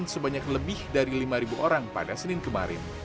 sebanyak lebih dari lima orang pada senin kemarin